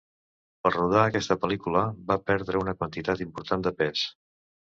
Per rodar aquesta pel·lícula va perdre una quantitat important de pes.